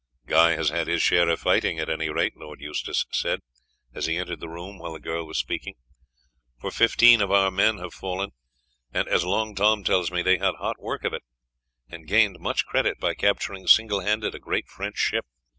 "Guy has had his share of fighting, at any rate," Lord Eustace said, as he entered the room while the girl was speaking, "for fifteen of our men have fallen; and, as Long Tom tells me, they had hot work of it, and gained much credit by capturing single handed a great French ship."